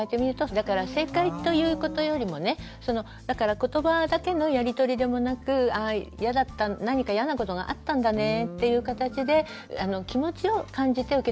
だから正解ということよりもねだからことばだけのやり取りでもなく何かイヤなことがあったんだねっていうかたちで気持ちを感じて受け止めてあげる。